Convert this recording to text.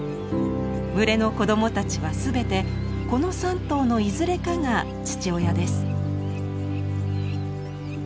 群れの子供たちは全てこの３頭のいずれかが父親です。